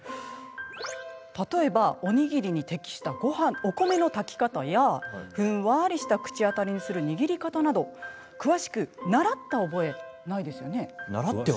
例えばおにぎりに適したお米の炊き方やふんわりした口当たりにする握り方など詳しく習った覚えないですよね。